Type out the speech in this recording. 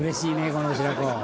この白子。